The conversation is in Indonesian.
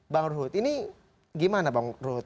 bang ruhut ini gimana bang ruhut